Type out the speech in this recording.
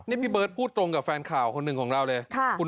นี่พี่เบิร์ตพูดตรงกับแฟนข่าวคนหนึ่งของเราเลย